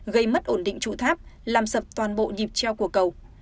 gây mất ổn định trụ tháp làm sập toàn bộ nhịp treo của cầu